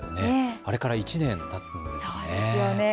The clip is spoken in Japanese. あれから１年たつんですね。